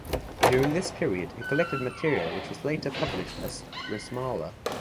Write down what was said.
During this period he collected material which was later published as "Rasmala".